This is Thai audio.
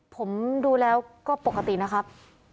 ผมดูแล้วก็ปกตินะครับ